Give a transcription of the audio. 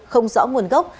không rõ nguồn gốc